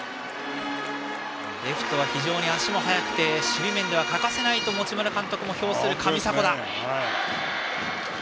レフトは非常に足も速くて守備面では欠かせないと持丸監督も評する上迫田。